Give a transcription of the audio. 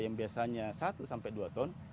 yang biasanya satu sampai dua ton